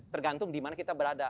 tergantung dimana kita berada